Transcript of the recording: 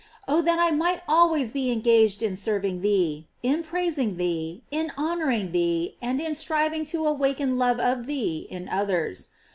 Oh, that I might always be engaged in serving thee, in praising thee, in honoring thee, and in striving to awak en love of thee in others.